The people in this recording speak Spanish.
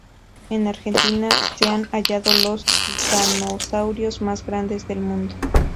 En Argentina se han hallado los titanosaurios mas grandes del mundo.